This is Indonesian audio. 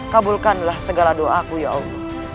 kabulkanlah segala doaku ya allah